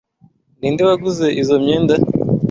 Ninde waguze izoi myenda?